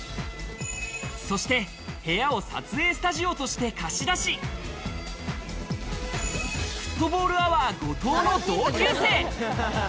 そして、部屋を撮影スタジオとして貸し出しフットボールアワー・後藤の同級生。